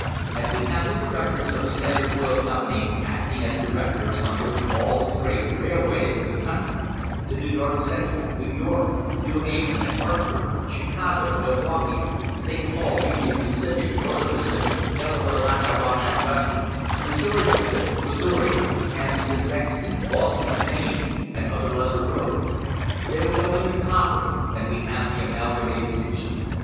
And we have the directors of the Standard Oil Company acting as directors on nearly all of the great railways of the country, the New York Cen tral, New York, New Haven and Hartford, Chicago, Mil waukee and St. Paul, Union Pacific, Northern Pacific, Dela ware, Lackawanna and Western, Missouri Pacific, Missouri, Kansas and Texas, Boston and Maine, and other lesser roads. They will go into copper, and we have the Amalgamated scheme.